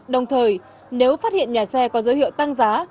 đồng thời nếu phát hiện nhà xe có dấu hiệu tăng giá